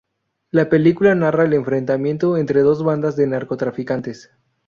La película narra el enfrentamiento entre dos bandas de narcotraficantes.